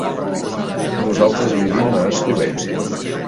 Nosaltres vivim a Estubeny.